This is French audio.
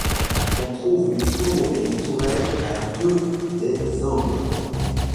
On trouve une tour et une tourelle à deux des angles.